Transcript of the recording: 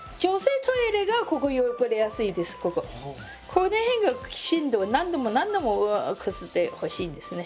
この辺がきちんと何度も何度もこすってほしいんですね。